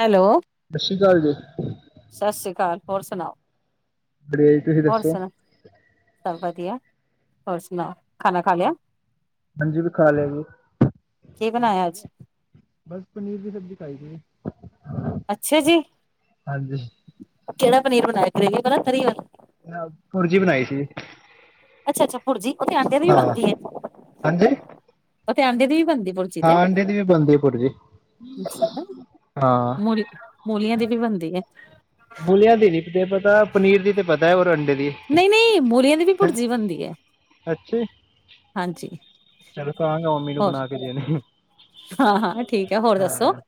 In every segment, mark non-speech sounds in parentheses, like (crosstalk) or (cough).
Hello ਸਤਿ ਸ਼੍ਰੀ ਅਕਾਲ ਜੀ ਸਤਿ ਸ਼੍ਰੀ ਅਕਾਲ, ਹੋਰ ਸੁਣਾਓ? ਵਧੀਆ ਜੀ, ਤੁਸੀਂ ਹੋਰ ਦੱਸੋ? ਸੁਣਾ ਸਭ ਵਧੀਆ ਹੋਰ ਸੁਣਾ ਖਾਣਾ ਖਾ ਲਿਆ। ਹਾਂਜੀ ਅਸੀਂ ਖਾ ਲਿਆ ਜੀ ਕੀ ਬਣਾਇਆ ਅੱਜ? ਬਸ ਪਨੀਰ ਦੀ ਸਬਜ਼ੀ ਖਾਈ ਸੀ? ਅੱਛਾ ਜੀ। ਹਾਂਜੀ ਕਿਹੜਾ ਪਨੀਰ ਬਣਾਇਆ ਗ੍ਰੇਵੀ ਵਾਲਾ, ਤਰੀ ਵਾਲਾ। ਪੁਰਜੀ ਬਣਾਈ ਸੀ ਜੀ। ਅੱਛਾ ਅੱਛਾ ਪੁਰਜੀ ਉਹ ਤੇ ਆਡਿਆਂ ਦੀ ਵੀ ਬਣਦੀ ਹੈ? ਹਾਂਜੀ ਉਹ ਤੇ ਅੰਡੇ ਦੀ ਵੀ ਬਣਦੀ। ਬਣਦੀ ਪੁਰਜੀ ਹਾਂ ਤੇ ਅੰਡੇ ਦੀ ਵੀ ਬਣਦੀ ਪੁਰਜੀ ਹਾਂ ਮਲੀ ਮੂਲੀਆਂ ਦੀ ਵੀ ਬਣਦੀ ਹੈ? ਮੂਲਿਆਂ ਦੀ ਨੀ ਤੇ ਪਤਾ ਪਨੀਰ ਦੀ ਤੇ ਪਤਾ। ਪਤਾ ਔਰ ਅੰਡੇ ਦੀ। ਦੀ ਨਹੀਂ ਨਹੀਂ ਮੂਲੀਆਂ ਦੀ ਵੀ ਭੁਰਜੀ ਬਣਦੀ ਹੈ ਅੱਛਾ ਹਾਂਜੀ ਚਲ ਘਰ ਮੰਮੀ ਨੂੰ ਹੋਰ ਬਣਾ ਕੇ ਦਿੰਦੀ ਹਾਂ ਹਾਂ ਠੀਕ ਹੈ ਹੋਰ ਦੱਸੋ? ਹਾਂ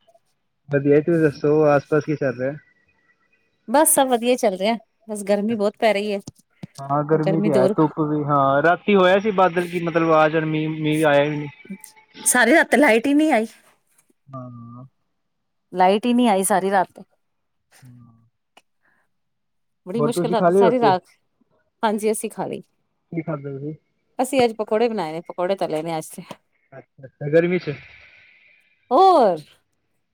ਵਧੀਆ ਤੁਸੀਂ ਦੱਸੋ ਆਸ ਪਾਸ ਕੀ ਚੱਲ ਰਿਹਾ ਹੈ? ਬਸ ਸਭ ਵਧੀਆ ਚੱਲ ਰਿਹਾ ਹੈ। ਬਸ ਗਰਮੀ ਬਹੁਤ ਪੈ ਰਹੀ ਹੈ? ਹਾਂ ਗਰਮੀ ਤੇ ਹੈ ਧੁੱਪ ਵੀ ਹਾਂ ਰਾਤੀ ਹੋਇਆ ਸੀ ਬਾਦਲ ਕੀ ਮਤਲਬ ਆ ਜਾਣ ਮੀਂਹ? ਮੀਂਹ ਵੀ ਆਇਆ ਨਹੀਂ। ਸਾਰੇ ਰਾਤ ਲਾਈਟ? ਨਹੀਂ ਆਈ। ਹਾਂ। ਲਾਈਟ ਹੀ ਨਹੀਂ ਆਈ ਸਾਰੀ ਰਾਤ ਤੇ। ਹਾਂ। ਬੜੀ ਮੁਸ਼ਕਿਲ ਰਾਤੀ ਸਾਰੀ ਰੋਟੀ ਰਾਤ ਹਾਂਜੀ ਅਸੀਂ ਖਾ ਲਈ ਕੀ ਖਾਧਾ ਤੁਸੀਂ ਅਸੀਂ ਅੱਜ ਪਕੌੜੇ ਬਣਾਏ ਨੇ? ਪਕੌੜੇ ਤਲੇ ਨੇ ਅੱਜ ਤੇ। ਅੱਛਾ ਅੱਛਾ ਗਰਮੀ 'ਚ। ਹੋਰ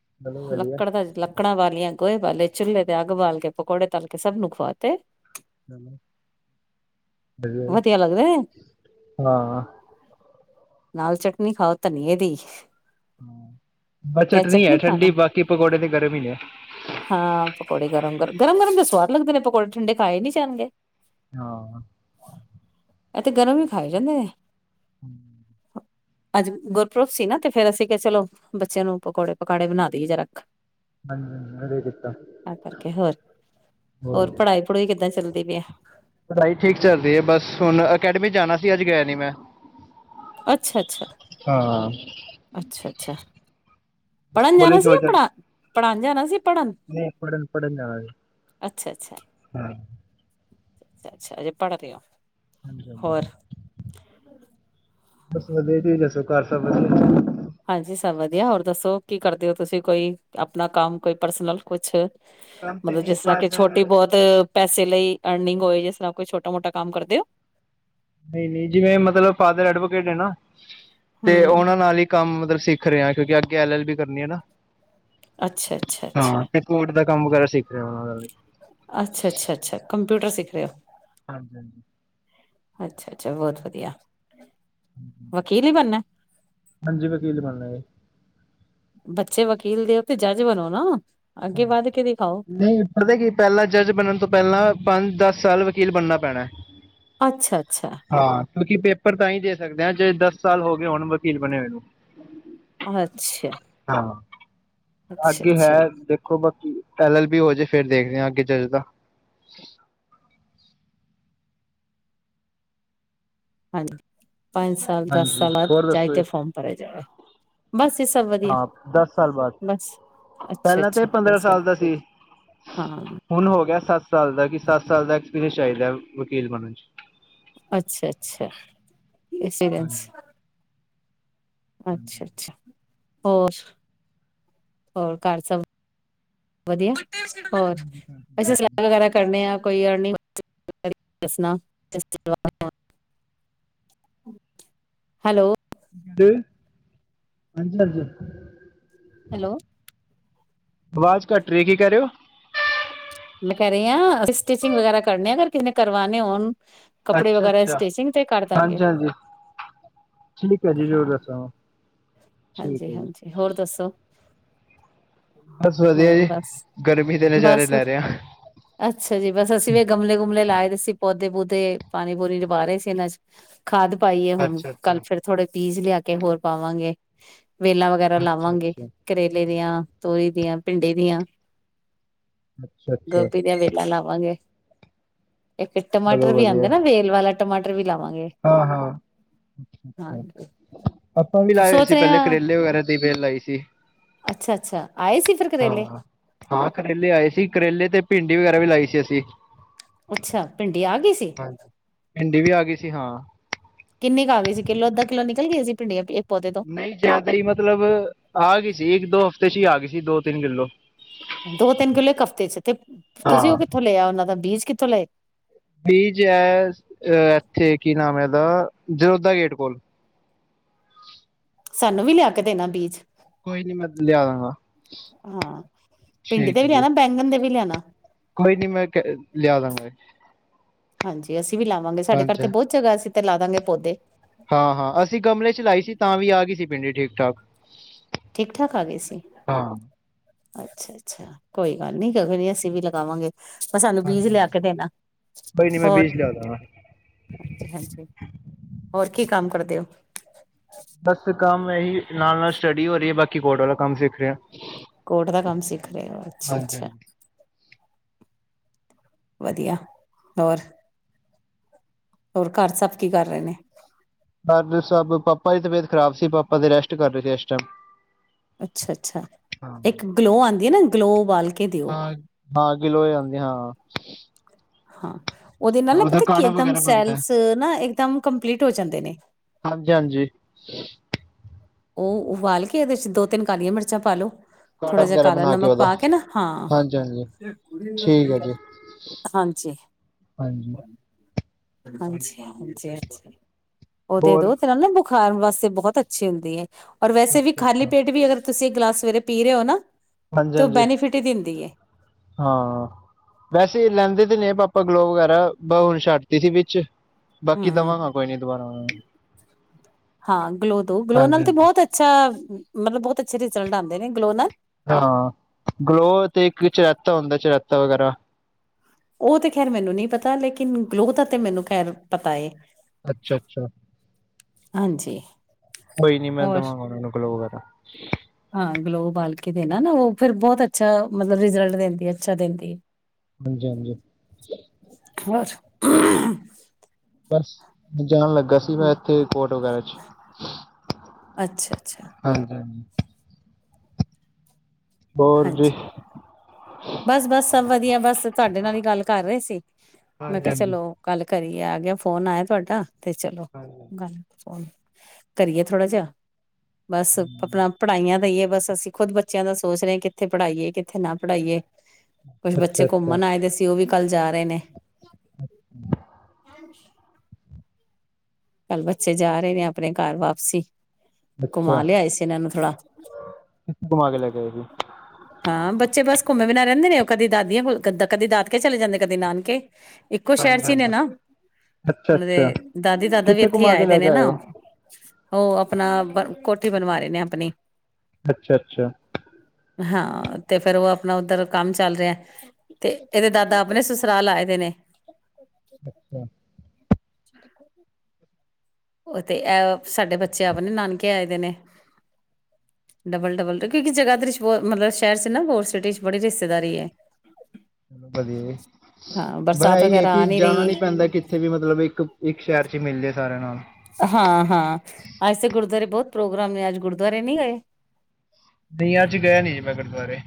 ਚਲੋ ਵਧੀਆ ਲੱਕੜ ਦਾ ਲੱਕੜਾਂ ਵਾਲੀਆਂ? ਗੋਹੇ ਵਾਲ਼ੇ ਚੁੱਲੇ ਤੇ ਅੱਗ ਬਾਲ ਕੇ ਪਕੌੜੇ ਤਲ ਕੇ ਸਭ ਨੂੰ ਖਵਾਤੇ। ਵਧੀਆ ਲੱਗਦੇ ਨੇ ਹਾਂ। ਨਾਲ ਚਟਨੀ ਖਾਓ ਧਨੀਆ ਦੀ। ਹਾ ਬਸ ਚਟਨੀ ਕੈਚਅਪ ਆ ਨੀ ਠੰਡੀ ਖਾਣਾ ਬਾਕੀ। ਪਕੌੜੇ ਤੇ ਗਰਮ ਹੀ ਨੇ। ਹਾਂ ਪਕੌੜੇ ਗਰਮ ਗਰਮ ਗਰਮ ਗਰਮ। ਸਵਾਦ ਲੱਗਦੇ ਨੇ ਪਕੌੜੇ ਠੰਡੇ ਖਾਏ ਨੀ ਜਾਣਗੇ? ਹਾਂ। ਇਹ ਤੇ ਗਰਮ ਹੀ ਖਾਈ ਜਾਂਦੇ ਨੇ। ਹੂੰ। ਅੱਜ ਗੁਰਪੁਰਬ ਸੀ ਨਾ ਤੇ ਫੇਰ ਅਸੀਂ ਕਿਆ ਚਲੋ ਬੱਚਿਆਂ ਨੂੰ ਪਕੌੜੇ ਪਕਾੜੇ ਬਣਾ ਦੀ ਜਾ ਰੱਖ। ਹਾਂਜੀ, ਹਾਂਜੀ ਘਰੇ ਕਿਦਾਂ ਕਰਕੇ ਹੋਰ ਹੋਰ ਪੜ੍ਹਾਈ ਪੜ੍ਹੂਈ ਕਿੱਦਾਂ ਚੱਲਦੀ ਪਈ ਆ ਪੜ੍ਹਾਈ ਠੀਕ ਚੱਲ ਰੀ ਏ, ਬਸ ਹੁਣ ਅਕੈਡਮੀ ਜਾਣਾ ਸੀ। ਅੱਜ ਗਿਆ ਨੀ ਮੈਂ ਅੱਛਾ ਅੱਛਾ ਹਾਂ ਅੱਛਾ ਅੱਛਾ ਪੜ੍ਹਨ ਜਾਣਾ ਸੀ ਪੜਾ ਪੜ੍ਹਾਣ ਜਾਣਾ ਸੀ ਪੜ੍ਹਨ ਨਹੀਂ ਪੜਨ ਪੜਨ ਜਾਣਾ ਅੱਛਾ ਸੀ। ਅੱਛਾ, ਅੱਛਾ ਅਜੇ ਪੜ ਰੇ ਓ। ਹਾਂਜੀ, ਹਾਂਜੀ। ਬੱਸ ਵਧੀਆ ਤੁਸੀਂ ਦੱਸੋ ਘਰ ਸਭ ਹ ਵਧੀਆ। ਹਾਂਜੀ ਸਭ ਵਧੀਆ ਹੋਰ ਦੱਸੋ ਕੀ ਕਰਦੇ ਓ ਤੁਸੀਂ ਕੋਈ ਆਪਣਾ ਕੰਮ ਕੋਈ ਪਰਸਨਲ ਕੁਛ ਕੰਮ ਤੇ ਮਤਲਬ ਨਹੀਂ ਜਿਸ ਤਰ੍ਹਾਂ ਕਿ ਫਾਦਰ ਛੋਟੀ ਬਹੁਤ ਪੈਸੇ ਲਈ ਅਰਨਿੰਗ ਹੋਏ, ਜਿਸ ਤਰਹ ਕੋਈ ਛੋਟਾ ਮੋਟਾ ਕੰਮ ਕਰਦੇ ਓ। ਨਹੀਂ, ਨਹੀਂ ਜਿਵੇਂ ਮਤਲਬ ਫਾਦਰ ਐਡਵੋਕੇਟ ਏ ਨਾ ਤੇ ਹਮ ਉਹਨਾਂ ਨਾਲ ਹੀ ਕੰਮ ਮਤਲਬ ਸਿੱਖ ਰਿਆ। ਕਿਉਂਕਿ ਅੱਗੇ ਐਲ ਐਲ ਬੀ ਕਰਨੀ ਐ ਨਾ ਅੱਛਾ ਅੱਛਾ ਅੱਛਾ, ਹਾਂ ਤੇ ਕੋਰਟ ਦਾ ਕੰਮ ਵਗੈਰਾ ਸਿੱਖ ਰਿਹਾ ਉਹਨਾਂ ਨਾਲ ਵੀ। ਅੱਛਾ ਅੱਛਾ ਅੱਛਾ, ਕੰਪਿਊਟਰ ਸਿੱਖ ਰੇਓ। ਹਾਂਜੀ ਹਾਂਜੀ ਅੱਛਾ ਅੱਛਾ, ਬਹੁਤ ਵਧੀਆ। ਵਕੀਲ ਹੀ ਬਣਨਾ ਹਾਂਜੀ, ਵਕੀਲ ਈ ਬਣਲਾਂਗੇ ਬੱਚੇ ਵਕੀਲ ਦੇ ਓ ਤੇ ਜੱਜ ਬਣੋ ਨਾ। ਅੱਗੇ ਵੱਧ ਕੇ ਦਿਖਾਓ ਨਹੀਂ ਪਤਾ ਕੀ ਪਹਿਲਾਂ ਜੱਜ ਬਣਨ ਤੋਂ ਪਹਿਲਾਂ ਪੰਜ, ਦਸ ਸਾਲ ਵਕੀਲ ਬਣਨਾ ਪੈਣਾ। ਅੱਛਾ ਅੱਛਾ ਹਾਂ ਕਿਉਂਕਿ ਪੇਪਰ ਤਾਂ ਈ ਦੇ ਸਕਦੇ ਹਾਂ ਜੇ ਦਸ ਸਾਲ ਹੋ ਗਏ ਹੋਣ ਵਕੀਲ ਬਣੇ ਹੋਏ ਨੂੰ। ਅੱਛਾ। ਹਾਂ। ਅੱਛਾ ਅੱਗੇ ਹੈ ਅੱਛਾ ਦੇਖੋ ਐਲ ਐਲ ਬੀ ਹੋ ਜੇ ਫੇਰ ਦੇਖਦੇ ਆ ਅੱਗੇ ਜਜ ਦਾ। ਹਾਂਜੀ। ਪੰਜ ਸਾਲ, ਦਸ ਹਾਂਜੀ ਸਾਲ ਬਾਅਦ ਹੋਰ ਚਾਏ ਦੱਸੋ ਜੀ। ਤੇ ਫੋਮ ਭਰਯਾ ਜਾਏ, ਬਸ ਇਹ ਸਭ ਵਧੀਆ ਹਾਂ ਦਸ ਸਾਲ ਬਾਅਦ ਬਸ ਅੱਛਾ, ਪਹਿਲਾਂ ਤੇ ਅੱਛਾ ਪੰਦਰਾਂ ਬਸ ਸਾਲ ਦਾ ਸੀ। ਹਾਂ ਹੁਣ ਹੋ ਗਿਆ ਸੱਤ ਸਾਲ ਦਾ ਕਿ ਸੱਤ ਸਾਲ ਦਾ ਐਕਸਪੀਰੀਅੰਸ ਚਾਹੀਦਾ ਵਕੀਲ ਬਣਨ ਚ ਅੱਛਾ, ਅੱਛਾ। ਇਸੱਸਨਸ ਹਾਂਜੀ। (unintelligible) ਅੱਛਾ, ਅੱਛਾ। ਹੋਰ ਹੋਰ ਘਰ ਸਭ ਵਧੀਆ। ਹੋਰ ਵੈਸੇ ਸਲਾਦ ਵਗੈਰਾ ਕਰਨੇ ਆ ਕੋਈ (unintelligible) ਦੱਸਣਾ ਹੈਲੋ (unintelligible) ਹਾਂਜੀ ਹਾਂਜੀ ਹੈਲੋ ਆਵਾਜ਼ ਘੱਟ ਰੀ, ਕੀ ਕੈ ਰੇ ਓ? ਮੈਂ ਕਹਿ ਰੀ ਆ ਅਸੀ ਸਟਿਚਿੰਗ ਵਗੈਰਾ ਕਰਨੇ ਆ ਅਗਰ ਕਿਸੇ ਨੇ ਕਰਵਾਨੇ ਹੋਣ। ਕੱਪੜੇ ਵਗੈਰਾ ਅੱਛਾ-ਅੱਛਾ ਸਟਿਚਿੰਗ ਤੇ ਕਰ ਦਾਂਗੇ ਹਾਂਜੀ-ਹਾਂਜੀ ਠੀਕ ਐ ਜੀ ਜ਼ਰੂਰ ਦੱਸਾਗਾ। ਹਾਂਜੀ-ਹਾਂਜੀ ਹੋਰ ਦੱਸੋ ਬਸ ਵਧੀਆ ਹੋਰ ਜੀ ਬਸ ਗਰਮੀ ਦੇ ਨਜ਼ਾਰੇ ਬਸ ਲੈ ਰਿਹਾ ਅੱਛਾ ਜੀ ਬਸ ਅਸੀਂ ਵੀ ਗਮਲੇ ਗੁਮਲੇ ਲਾਏ ਦੇ ਅਸੀਂ ਪੌਦੇ ਪੁਦੇ ਪਾਣੀ ਪੂਣੀ ਨਿਭਾ ਰੇ ਸੀ ਇਹਨਾਂ ਚ ਖਾਦ ਪਾਈਏ ਹੁਣ ਅੱਛਾ ਅੱਛਾ ਕੱਲ ਫੇਰ ਥੋੜੇ ਪੀਜ਼ ਲਿਆ ਕੇ ਹੋਰ ਪਾ ਪਾਗੇ ਵੇਲਾਂ ਵਗੈਰਾ ਅੱਛਾ ਲਾਵਾਂਗੇ ਅੱਛਾ ਕਰੇਲੇ ਦੀਆਂ ਤੋਰੀ ਆਂ ਪਿੰਡੀ ਦੀਆਂ ਅੱਛਾ ਅੱਛਾ ਗੋਭੀ ਦੀਆਂ ਵੇਲਾ ਲਾਵਾਂਗੇ ਇੱਕ ਟਮਾਟਰ ਚਲੋ ਵੀ ਵਧੀਆ ਆਂਦੇ ਨਾ ਵੇਲ ਵਾਲਾ ਟਮਾਟਰ ਵੀ ਲਾਵਾਂਗੇ ਹਾਂ ਹਾਂ ਅੱਛਾ ਅੱਛਾ ਹਾਂਜੀ ਆਪਾਂ ਵੀ ਲਾਏ ਹੋਏ ਸੋਚ ਸੀ ਰਹੇ ਪਹਿਲੇ ਹਾਂ ਕਰੇਲੇ ਵਗੈਰਾ ਦੀ ਵੇਲ ਲਾਈ ਸੀ ਅੱਛਾ ਅੱਛਾ ਆਏ ਸੀ ਫਿਰ ਹਾਂ ਕਰੇਲੇ ਹਾਂ ਕਰੇਲੇ ਆਏ ਸੀ ਕਰੇਲੇ ਤੇ ਭਿੰਡੀ ਵਗੈਰਾ ਵੀ ਲਾਈ ਸੀ ਅਸੀਂ ਅੱਛਾ ਪਿੰਡ ਹਾਂਜੀ ਭਿੰਡੀ ਵੀ ਆ ਗਈ ਸੀ ਹਾਂ ਗ ਸੀ ਕਿਲੋ ਅੱਧ ਕਿਲੋਂ ਨਿਕਲ ਗਈ ਸੀ ਪਿੰਡੀਆਂ ਨਈ ਜਿਆਦਾ ਈ ਮਤਲਬ ਆ ਗੀ ਸੀ ਇੱਕ ਦੋ ਹਫ਼ਤੇ ਚ ਈ ਆ ਗਈ ਸੀ ਦੋ ਤਿੰਨ ਕਿੱਲੋ ਦੋ ਤਿੰਨ ਕਿੱਲੇ ਇਕ ਹਫ਼ਤੇ ਚ ਤੇ ਤੁਸੀਂ ਹਾਂ ਉਹ ਕਿੱਥੋਂ ਲਿਆ ਉਹਨਾਂ ਦਾ ਬੀਜ ਚਲੇ ਥੇ ਕੀ ਨਾਮ ਐਦਾ ਇਹਦਾ ਜਰੋਦਾ ਗੇਟ ਕੋਲ ਸਾਨੂੰ ਵੀ ਲਿਆ ਕੇ ਦੇਣਾ ਬੀਜ ਕੋਈ ਨੀ ਮੈਂ ਲਿਆ ਦਾਂਗਾ ਹਾਂ ਭਿਡੀ ਦੇ ਠੀਕ ਹੈ ਵੀ ਜੀ ਲਿਆਣਾ ਬੈਂਗਣ ਦੇ ਵੀ ਲਿਆਣਾ ਹ ਕੋਈ ਨਈ ਮੈਂ ਕਹ ਲਿਆ ਦਾਗਾ ਹਾਂਜੀ ਅਸੀਂ ਵੀ ਲਾਵਾਂਗੇ ਸਾਡੇ ਘਰ ਤੇ ਬਹੁਤ ਜਗ੍ਹਾ ਅਸੀ ਤੇ ਲਾ ਦਾਂਗੇ ਪੌਦੇ ਹਾਂ ਹਾਂ ਅਸੀਂ ਗਮਲੇ ਚ ਲਾਈ ਸੀ ਤਾਂ ਵੀ ਆ ਗਈ ਸੀ ਭਿਡੀ ਠੀਕ ਠਾਕ ਠੀਕ ਠਾਕ ਆ ਗਏ ਸੀ? ਹਾਂ ਅੱਛਾ ਅੱਛਾ ਕੋਈ ਗੱਲ ਨੀ ਕਦੀ ਅਸੀਂ ਵੀ ਲਗਾਵਾਂਗੇ। ਪਰ ਸਾਨੂੰ ਬੀਜ ਹਾਂਜੀ ਲਿਆ ਹਾਂਜੀ। ਕੇ ਦੇਣਾ ਕੋਈ ਨੀ ਮੈਂ ਹੋਰ ਬੀਜ ਲਿਆ ਦਾਂਗਾ ਹ ਹਾਂਜੀ ਹੋਰ ਕੀ ਕੰਮ ਕਰਦੇ? ਦਿਓ (unintelligible) ਬਸ ਕੰਮ ਇਹੀ ਨਾਲ ਨਾਲ ਸਟੱਡੀ ਹੋ ਰਹੀ ਹੈ ਬਾਕੀ ਕੋਟ ਵਾਲਾ ਕੰਮ ਸਿੱਖ ਰਿਹਾ। ਕੋਟ ਦਾ ਕੰਮ ਸਿੱਖ ਰਹੇ ਹੋ ਹਾਂਜੀ ਅੱਛਾ--ਅੱਛਾ। ਹਾਂਜੀ ਵਧੀਆ। ਹੋਰ? ਹੋਰ ਘਰ ਸਭ ਕੀ ਕਰ ਰਹੇ ਨੇ? ਘਰ ਸਭ ਪਾਪਾ ਦੀ ਤਬੀਅਤ ਖਰਾਬ ਸੀ ਪਾਪਾ ਤੇ ਰੈਸਟ ਕਰ ਰਹੇ ਸੀ ਇਸ ਟਾਈਮ। ਅੱਛਾ--ਅੱਛਾ ਹਾਂ ਇੱਕ ਗਲੋ ਆਉਂਦੀ ਹੈ ਨਾ ਗਲੋ ਉਬਾਲ ਕੇ ਦਿਓ। ਹਾਂ ਹਾਂ ਗਲੋ ਆਂਦੀ ਹਾਂ। ਹਾਂ। ਉਹਦੇ ਨਾਲ ਨਾ ਉਹਦਾ ਪਤਾ ਕੀ ਕਾੜਾ ਇਕਦਮ ਵਗੈਰਾ ਬਣਦਾ ਸੈਲਸ ਨਾ ਇਕਦਮ ਕੰਪਲੀਟ ਹੋ ਜਾਂਦੇ ਨੇ। ਹਾਂਜੀ ਹਾਂਜੀ। ਉਹ ਉਬਾਲ ਕੇ ਉਹਦੇ ਚ ਦੋ ਤਿੰਨ ਕਾਲੀਆਂ ਮਿਰਚਾਂ ਪਾ ਲਓ। ਕਾੜਾ ਥੋੜ੍ਹਾ ਜਿਹਾ ਵਗੈਰਾ ਕਾਲਾ ਬਣਾ ਨਮਕ ਉਹਦਾ ਪਾ ਕੇ ਨਾ ਹਾਂਜੀ ਹਾਂਜੀ ਠੀਕ ਹੈ ਜੀ ਹਾਂ--ਹਾਂਜੀ। ਹਾਂਜੀ ਹਾਂਜੀ ਹਾਂਜੀ ਅੱਛਾ। ਉਹਦੇੋ ਹੋਰ ਦੋਸਤ ਰਹਿੰਦੇ ਨੇ। ਖਾਣ ਵਾਸੇ ਬਹੁਤ ਅੱਛੇ ਨੇ। (inaudible) ਔਰ ਵੈਸੇ ਵੀ ਅੱਛਾ ਖਾਲੀ ਅੱਛਾ ਪੇਟ ਵੀ ਅਗਰ। ਤੁਸੀਂ ਇੱਕ ਗਲਾਸ ਸਵੇਰੇ ਪੀ ਰਹੇ ਹੋ ਨਾ? ਹਾਂਜੀ ਤੇ ਉਹ ਹਾਂਜੀ ਬੈਨੀਫਿਟ ਹੀ ਦਿੰਦੀ ਹੈ ਹਾਂ ਵੈਸੇ ਲੈਂਦੇ ਤੇ ਨੇ ਪਾਪਾ। ਗਲੋ ਵਗੈਰਾ (inaudible) ਛੱਡਤੀ ਸੀ ਵਿਚ। ਹਮ ਹਾਂ ਗਲੋ ਦੋ ਗਲੋ ਹਾਂਜੀ ਨਾਲ ਤੇ ਹਾਂਜੀ ਬਹੁਤ ਅੱਛਾ। ਮਤਲਬ ਬਹੁਤ ਅੱਛੇ ਰਿਜ਼ਲਟ ਆਂਦੇ ਨੇ ਗਲੋ ਨਾਲ। ਹਾਂ ਹਾਂ ਗਲੋਹ ਤੇ ਇੱਕ ਚਰੇਤਾ (inaudible) ਹੁੰਦਾ ਚ ਤੋਂ ਵਗੈਰਾ। ਉਹ ਤੇ ਖੈਰ ਮੈਨੂੰ ਨੀ ਪਤਾ ਲੇਕਿਨ ਗਲੋਹ ਦਾ ਤੇ ਮੈਨੂੰ ਖੈਰਪਤਾ ਏ। ਅੱਛਾ ਅੱਛਾ ਹਾਂਜੀ ਕੋਈ ਨੀ ਮੈਂ ਔਰ ਦਵਾਂਗਾ ਉਨਾਂ ਨੂੰ ਗਲੋ ਵਗੈਰਾ। (inaudible) ਹਾਂ ਗਲੋ ਉਬਾਲ ਕੇ ਦੇਨਾ ਨਾ ਉਹ ਫੇਰ ਬਹੁਤ ਅੱਛਾ--ਮਤਲਬ ਰਿਜ਼ਲਟ ਦਿੰਦੀ ਏ ਅੱਛਾ ਦਿੰਦੀ ਏ। ਹਾਂਜੀ--ਹਾਂਜੀ। (unintelligible) ਬਸ । ਜਾਣ ਲੱਗਾ ਸੀ ਮੈਂ ਇਥੇ ਕੋਟ ਵਗੈਰਾ ਚ ਅੱਛਾ ਅੱਛਾ ਹਾਂਜੀ--ਹਾਂਜੀ। ਹੋਰ ਜੀ? ਹਾਂਜੀ ਬਸ ਬਸ ਸਭ ਵਧੀਆ ਬਸ ਤਾਂਢੇ ਨਾਲ ਈ ਗੱਲ ਕਰ ਰਏ ਸੀ। ਮੈਂ ਹਾਂਜੀ ਕਿਹਾ ਹਾਂਜੀ ਹਾਂਜੀ ਚਲੋ ਗੱਲ ਕਰੀ ਆ ਗਿਆ ਫੋਨ ਆਇਆ ਤੁਹਾਡਾ ਤੇ ਚਲੋ ਹਾਂਜੀ ਗੱਲ ਫੋਨ ਕਰੀਏ ਥੋੜਾ ਜਿਹਾ ਬਸ ਆਪਣਾ ਪੜ੍ਹਾਈਆਂ ਦਾ ਹੀ ਹੈ ਬਸ ਅਸੀਂ ਖੁਦ ਬੱਚਿਆਂ ਦਾ ਸੋਚ ਰਹੇ ਹਾਂ ਕਿੱਥੇ ਪੜ੍ਹਾਈਏ ਕਿੱਥੇ ਨਾ ਪੜ੍ਹਾਈਏ ਕੁਛ ਅੱਛਾ ਬੱਚੇ ਅੱਛਾ ਘੁੰਮਣ ਆਏ ਦੇ ਸੀ ਉਹ ਵੀ ਕਲ ਜਾ ਰਹੇ ਨੇ ਹਾਂਜੀ ਕੱਲ ਬੱਚੇ ਜਾ ਰਹੇ ਨੇ ਆਪਣੇ ਘਰ ਵਾਪਸੀ ਘੁੰਮਾ ਅੱਛਾ ਲਿਆ ਸੀ ਇਹਨਾਂ ਨੂੰ ਥੋੜਾ ਕਿੱਥੇ ਘੁਮਾ ਕੇ ਲੈ ਕੇ ਆਏ ਸੀ ਹਾਂ ਬੱਚੇ ਬਸ ਘੁੰਮੇ ਵੀਿਨਾਂ ਰਹਿੰਦੇ ਨੇ ਉਹ ਕਦੀ ਦਾਦੀਆਂਲ ਕਦੀ ਦਾਦਕੇ ਚਲੇ ਜਾਂਦੇ ਕਦੇ ਨਾਨਕੇ ਇੱਕੋ ਸ਼ਹਿਰ ਚ ਹੀ ਹਾਂਜੀ ਨੇ ਹਾਂਜੀ ਨਾ ਮਤ ਦੇ ਦਾਦੀ ਦਾਦੀ ਇੱਥੇ ਘੁੰਮਾ ਕੇ ਲੈ ਕੇ ਆਏ ਹੋ ਉਹ ਆਪਣਾ ਬ ਕੋਠੀ ਬਣਵਾ ਰਹੇ ਨੇ ਆਪਣੀ ਅੱਛਾ ਅੱਛਾ ਹਾਂ ਤੇ ਫੇਿਰ ਉਹ ਆਪਣਾ ਉੱਧਰ ਕੰਮ ਚੱਲ ਰਿਹਾ ਤੇ ਇਹਦੇ ਦਾਦਾ ਆਪਣੇ ਸੁਸੁਰਾਲਾਏ ਦੇ ਨੇ ਅੱਛਾ (unintelligible) ਉਹ ਸਾਡੇ ਬੱਚੇ ਆਪ ਨੇ ਨਾਨਕੇ ਆਏ ਦੇ ਨੇ ਡਬਲ ਡਬਲ ਕਿਉਂਕਿ ਜਗ੍ਹਾ ਤੇ ਰਿ ਮਤਲਬ ਸ਼ਹਿਰ ਚ ਨਾ ਬੋਲ ਸਿਟੀ ਚ ਬੜੀ ਰਿਸ਼ਤੇਦਾਰੀ ਹੈ ਚ ਵਧੀਆ ਜੀ ਹਾਂ ਬ ਬਰਸਾਤ ਇਹੀ ਹੈ ਵਗੈਰਾ ਕਿ ਆ ਨਹੀਂ ਜਾਣਾ ਰਹੀ ਨੀ ਹੈ। ਪੈਂਦਾ ਕਿੱਥੇ ਵੀ ਮਤਲਬ ਇੱਕ ਇੱਕ ਸ਼ਹਿਰ ਚ ਮਿਲ ਜਾ ਸਾਰੇਿਆਂ ਨਾਲ ਹਾਂ ਹਾਂ ਅੱਜ ਤੇ ਗੁਰਦੁਆਰੇ ਬਹੁਤ ਪ੍ਰੋਗਰਾਮ ਨੇ ਅੱਜ ਗੁਰਦੁਆਰੇ ਨਹੀਂੀ ਗਏ ਨਆਂ ਚ ਗਿਆ ਨੀ ਜੇ ਮੈਂ ਗੁਰਦੁਆਰੇ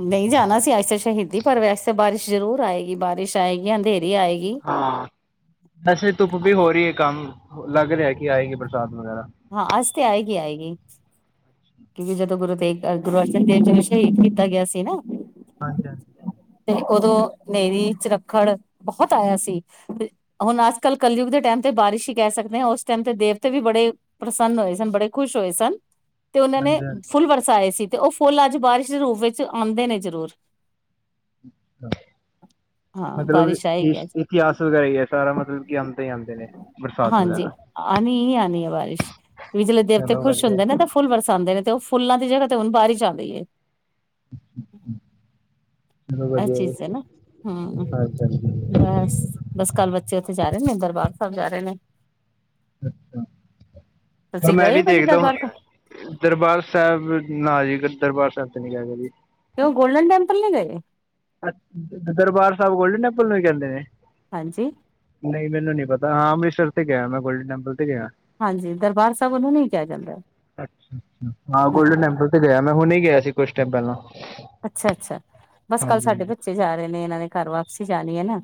ਨਹੀਂ ਜਾਣਾ ਸੀ ਅੱਜ ਤਾਂ ਸ਼ਹੀਦੀ ਪਰ ਵੈਸੇ ਬਾਰਿਸ਼ ਜ਼ਰੂਰ ਆਏਗੀ ਬਾਰਿਸ਼ ਆਏਗੀ ਅੰਧੇਰੀ ਆਏਗੀ ਹਾਂ ਵਸੇ ਧੁੱਪ ਵੀ ਹੋ ਰਹੀ ਹੈ ਕੰਮ ਲੱਗ ਰਿਹਾ ਕਿ ਆਏਗੇ ਪ੍ਰਸਾਦ ਹਾਂ ਅਸਤੇ ਆਏਗੀ ਆਏਗੀ (unintelligible) ਕਿਉਂਕਿ ਜਦੋਂ ਗੁਰੂ ਦੇਵ ਗੁਰੂ ਅਰਜਨ ਦੇਵ ਜ ਸ਼ਹੀਦ ਕੀਤਾ ਗਿਆ ਸੀ ਨਾ ਹਾਂਜੀ ਹਾਂਜੀ ਤੇ ਉਦੋਂ ਨਰੀ ਚਰੱਖੜ ਬਹੁਤ ਆਇਆ ਸੀ ਤੇ ਹੁਣ ਅੱਜ ਕੱਲ੍ਹ ਕਲਯੁਗ ਦੇ ਟਾਈਮ ਤੇ ਬਾਰਿਸ਼ ਹੀ ਕਹਿ ਸਕਦੇ ਹਾਂ ਉਸ ਟਾਈਮ ਤੇ ਦੇਵਤੇ ਵੀ ਬੜੇ ਪ੍ਰਸੰਨ ਹੋਏ ਸਨ ਬੜੇ ਖੁਸ਼ ਹੋਏ ਸਨ ਤੇ ਉਹਨਾਂ ਨੇ ਹਾਂਜੀ ਹਾਂਜੀ ਹਾਂਜੀ ਫੁੱਲ ਵਰਸਾਏ ਸੀ ਅਤੇ ਉਹ ਫੁੱਲ ਅੱਜ ਬਾਰਿਸ਼ ਦੇ ਰੂਪ ਵਿੱਚ ਆਉਂਦੇ ਨੇ ਜ਼ਰੂਰ ਹਾਂ ਮਤਲਬ ਬਾਰਿਸ਼ ਆ ਹੀ ਗਿਆ ਇਸ ਇਤਿਹਾਸ ਵਗੈਰਾ ਹੀ ਹੈ ਸਾਰਾ ਮਤਲਬ ਕਿ ਆਉਂਦੇ ਹੀ ਆਉਂਦੇ ਨੇ ਬਰਸਾਤ ਹਾਂਜੀ ਵਗੈਰਾ ਆਉਣੀ ਹੀ ਆਉਣੀ ਆ ਬਾਰਿਸ਼ ਕਿ ਜ ਦੇਵਤੇ ਚਲੋ ਖੁਸ਼ ਵਧੀਆ ਹੁੰਦੇ ਨਾ ਤਾਂ ਫੁੱਲ ਵਰਸਾਉਂਦੇ ਨੇ ਤੇ ਉਹ ਫੁੱਲਾਂ ਦੀ ਜਗ੍ਹਾ ਤੇ ਹੁਣ ਬਾਹਰ ਚ ਆ ਗਈ ਹੈ। (unintelligible) ਚਲੋ ਵਧੀਆ ਜੀ ਅੱਛਾ-ਅੱਛਾ, ਹੂੰ ਹਾਂਜੀ ਹਾਂਜੀ ਬਸ ਬਸ ਕੱਲ੍ਹ ਬੱਚੇ ਉੱਥੇ ਜਾ, ਜਾ ਰਹੇ ਨੇ ਦਰਬਾਰ ਸਾਹਿਬ ਜਾ ਰਹੇ ਨੇ, ਤੁਸੀਂ ਮੈਂ ਗਏ ਵੀ ਹੋ ਕਦੇ ਦੇਖਦਾ ਦਰਬਾਰ ਵਾ ਸਾਹਿਬ ਦਰਬਾਰ ਸਾਹਿਬ ਨਾ ਜੀ, ਦਰਬਾਰ ਸਾਹਿਬ ਕਿ ਉਹ ਗੋਲਡਨ ਟੈਮਪਲ ਨੇ ਗਈ। ਤੇ, ਦਰਬਾਰ ਸਾਹਿਬ ਗੋਲਡਨ ਟੈਂਪਲ ਨੂੰ ਵੀ ਕਹਿੰਦੇ ਨੇ? ਹਾਂਜੀ ਨਹੀਂ ਮੈਨੂੰ ਨੀ ਪਤਾ। ਹਾਂ ਅੰਮ੍ਰਿਤਰ ਗਿਆ ਮੈਂ ਗੋਲਡ ਟੈਂਪਲ, ਹਾਂਜੀ ਦਰਬਾਰ ਸਾਹਿਬ ਉਹਨੂੰ ਨੀ ਕਿਹਾ ਜਾਂਦਾ ਹਾਂ ਗੋਲਡਨ ਹਾਂਜੀ ਟੈਂਪਲ ਤੇ ਗਿਆ ਮੈਂ ਹੁਣੇ, ਗਿਆ ਸੀ ਕੁਛ ਟਾਈਮ ਪਹਿਲਾਂ, ਕੱਲ੍ਹ ਹਾਂਜੀ ਸਾਡੇ ਹਾਂਜੀ ਬੱਚੇ ਜਾ ਰਹੇ ਨੇ ਇਹਨਾਂ ਦੇ ਘਰ ਵਾਪਸ, ਅਸੀਂ ਜਾਣੀ ਐ ਨਾ,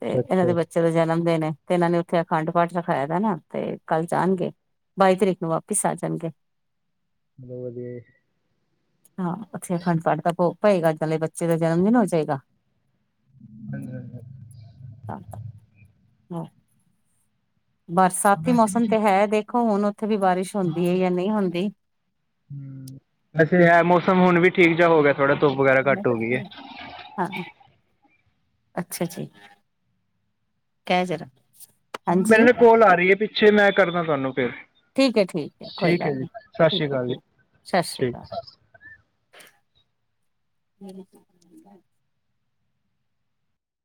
ਤੇ ਇਹਨਾਂ ਦੇ ਅੱਛਾ ਬੱਚੇ ਦਾ ਜਨਮ ਦਿਨ ਐ। ਤੇ ਇਹਨਾਂ ਨੇ ਉੱਥੇ ਅਖੰਡ ਪਾਠ ਰਖਾਇਆ ਦਾ ਨਾ ਤੇ ਕੱਲ ਜਾਣਗੇ ਬਾਈ ਤਰੀਕ ਨੂੰ ਵਾਪਿਸ ਆ ਜਾਣਗੇ। ਬਹੁਤ ਵਧੀਆ, ਹਾਂ ਅੱਛਾ, ਫੇਰ ਅਖੰਡ ਪਾਠ ਦਾ ਭੋਗ ਪਏਗਾ ਚੇ ਬੱਚੇ ਦਾ ਜਨਮ ਦਿਨ ਹੋ ਜਾਏਗਾ। ਹਾਂਜੀ-ਹਾਂਜੀ, ਹਾਂ, ਬਰਸਾਤੀ ਵੈਸੇ ਵੀ ਮੌਸਮ ਛੁੱ ਤੇ ਹੈ ਦੇਖੋ ਹੁਣ, ਉੱਥੇ ਵੀ ਬਾਰਿਸ਼ ਹੁੰਦੀ ਹੈ ਹਾਂ ਜਾਂ ਨਹੀਂ ਹੁੰਦੀ। ਵੈਸੇ ਹੈ ਮੌਸਮ ਹੁਣ ਵੀ ਠੀਕ ਜਾ ਹੋ ਗਿਆ। ਥੋੜਾ ਧੁੱਪ ਵਗੈਰਾ ਘੱਟ ਹੋ ਗਈ ਹੈ। ਹਾਂ ਅੱਛਾ ਜੀ ਕਹਿ ਜਰਾ, ਚਲੋ ਮੇਰੇ ਹਾਂਜੀ ਨਾ ਕੋਲ ਆ ਰਹੀ ਹੈ ਪਿੱਛੇ ਮੈਂ ਕਰਦਾ ਤੁਹਾਨੂੰ, ਫਿਰ ਠੀਕ ਹੈ ਠੀਕ ਹੈ ਕੋਈ ਗੱਲ ਜੀ ਨੀ ਸਤਿ ਠੀਕ ਸ਼੍ਰੀ ਹੈ, ਅਕਾਲ ਜੀ ਠੀਕ ਸਤਿ ਸ਼੍ਰੀ ਠੀਕ ਅਕਾਲ, ਹੂੰ,